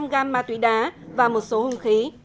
năm trăm linh gram ma túy đá và một số hùng khí